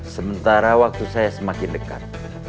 sementara waktu saya semakin dekat